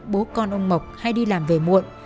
bố con ông mộc hay đi làm về muộn